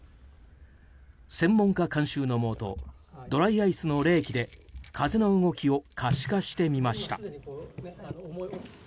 専門家監修のもとドライアイスの冷気で風の動きを可視化してみました。